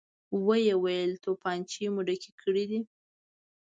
ويې ويل: توپانچې مو ډکې دي؟